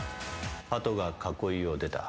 鳩が囲いを出た。